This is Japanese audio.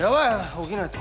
起きないと！